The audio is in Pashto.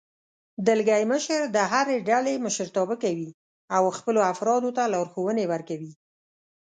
دلګی مشر د هرې ډلې مشرتابه کوي او خپلو افرادو ته لارښوونې ورکوي.